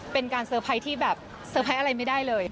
เป็นการเตอร์ไพรส์ที่แบบเซอร์ไพรส์อะไรไม่ได้เลย